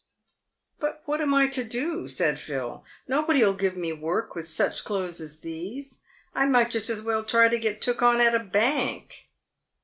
" But what am I to do?" said Phil. "Nobody'll give me work with such clothes as these. I might just as well try to get took on at a bank."